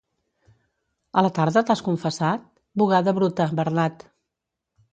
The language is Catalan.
A la tarda t'has confessat? Bugada bruta, Bernat.